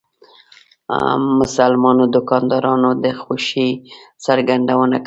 مسلمانو دکاندارانو د خوښۍ څرګندونه کوله.